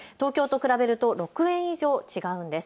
東京と比べると６円以上、違うんです。